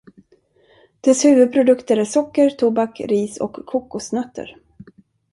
Dess huvudprodukter är socker, tobak, ris och kokosnötter.